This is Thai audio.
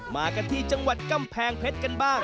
มากันที่จังหวัดกำแพงเพชรกันบ้าง